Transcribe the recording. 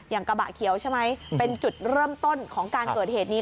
กระบะเขียวใช่ไหมเป็นจุดเริ่มต้นของการเกิดเหตุนี้